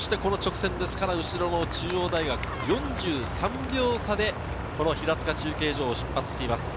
この直線ですから後ろの中央大学、４３秒差でこの平塚中継所を出発しています。